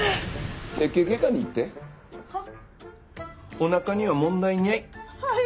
おなかには問題にゃい。